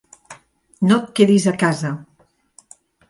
No et quedis a casa!